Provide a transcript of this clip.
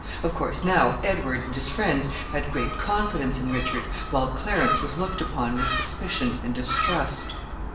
Of course, now, Edward and his friends had great confidence in Richard, while Clarence was looked upon with suspicion and distrust.